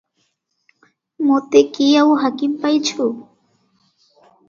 ମୋତେ କି ଆଉ ହାକିମ ପାଇଛୁ?